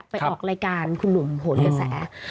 ออกรายการคุณหนุ่มโหนกระแส